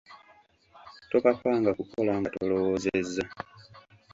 Topapanga kukola nga tolowoozezza.